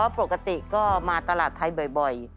ปกติก็มาตลาดไทยบ่อย